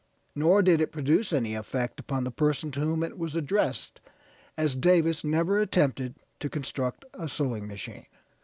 Nor did it produce any effect upon the person to whom it was addressed, as Davis never attempted to construct a sewing machine.